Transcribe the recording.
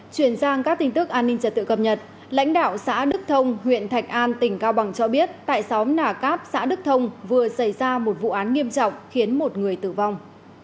chuyển sang các tin tức an ninh trật tự cập nhật lãnh đạo xã đức thông huyện thạch an tỉnh cao bằng cho biết tại xóm nà cáp xã đức thông vừa xảy ra một vụ án nghiêm trọng khiến một người tử vong